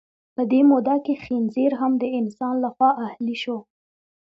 په دې موده کې خنزیر هم د انسان لخوا اهلي شو.